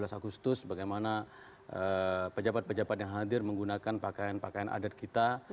lalu kita lihat juga bagaimana pejabat pejabat yang hadir menggunakan pakaian pakaian adat kita